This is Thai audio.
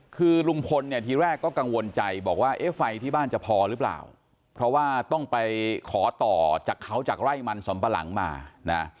คือลุงพลเนี่ยทีแรกก็กังวลใจบอกว่าเอ๊ะไฟที่บ้านจะพอหรือเปล่าเพราะว่าต้องไปขอต่อจากเขาจากไร่มันสำปะหลังมานะ